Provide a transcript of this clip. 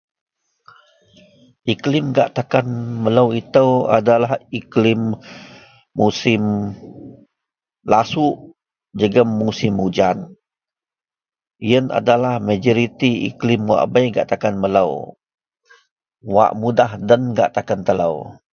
Iklim gak takan melo ito adalah iklim musim lasuok jegum musim ujan iyen adalah majoriti iklim wak bei gak takan melo wak mudah den melo